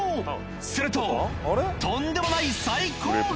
するととんでもない最高が！